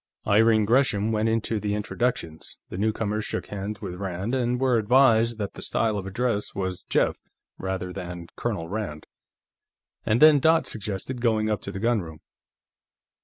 Irene Gresham went into the introductions, the newcomers shook hands with Rand and were advised that the style of address was "Jeff," rather than "Colonel Rand," and then Dot suggested going up to the gunroom.